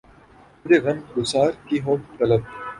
تجھے غم گسار کی ہو طلب